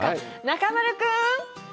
中丸君！